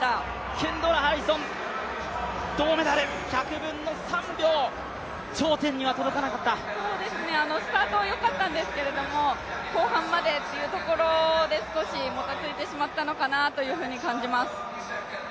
ケンドラ・ハリソン、銅メダル、１００分の３秒、スタートはよかったんですけれども、後半までというところで少しもたついてしまったのかなと感じます。